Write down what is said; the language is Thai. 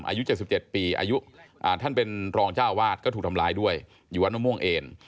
อายุ๗๗ปีอายุท่านเป็นรองเจ้าวาดก็ถูกทำร้ายด้วยอยู่วัดมะม่วงเอน